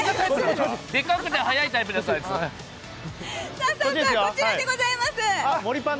さあさあ、こちらでございます。